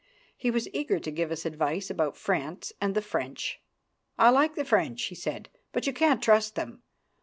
He was eager to give us advice about France and the French. "I like the French," he said, "but you can't trust them.